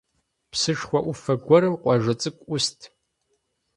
Псышхуэ Ӏуфэ гуэрым къуажэ цӀыкӀу Ӏуст.